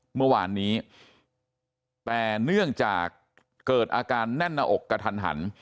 เมื่อวานนี้แต่เนื่องจากเกิดอาการแน่นหน้าอกกระทันหัน